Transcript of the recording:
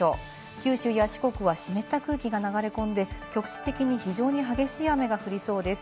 九州や四国は湿った空気が流れ込んで、局地的に非常に激しい雨が降りそうです。